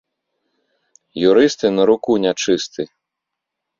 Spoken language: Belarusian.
Юрысты на руку нячысты